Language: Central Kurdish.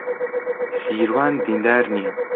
سیروان دیندار نییە.